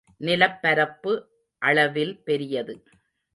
நிலப்பரப்பு அளவில் பெரியது.